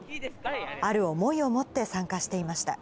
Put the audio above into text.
ある思いを持って参加していました。